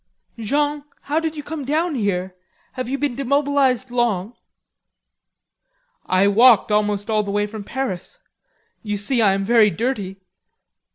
"Jean, how did you come down here? Have you been demobilized long?"' "I walked almost all the way from Paris. You see, I am very dirty."